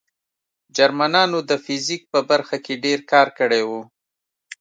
جرمنانو د فزیک په برخه کې ډېر کار کړی و